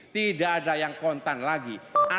tidak ada yang kontan lagi